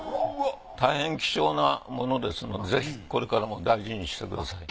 たいへん貴重なものですのでぜひこれからも大事にしてください。